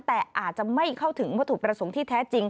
แต่อาจจะไม่เข้าถึงวัตถุประสงค์ที่แท้จริง